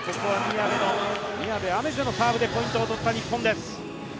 宮部愛芽世のサーブでポイントを取った日本です。